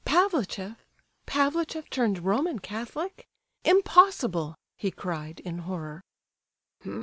"Pavlicheff?—Pavlicheff turned Roman Catholic? Impossible!" he cried, in horror.